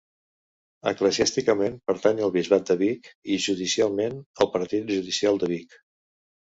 Eclesiàsticament, pertany al Bisbat de Vic, i judicialment al Partit Judicial de Vic.